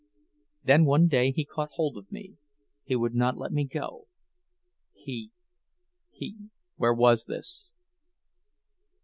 Then one day he caught hold of me—he would not let go—he—he—" "Where was this?"